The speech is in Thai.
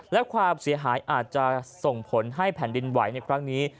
และความเสียหายอาจจะส่งผลให้แผ่นดินไหวในครั้งนี้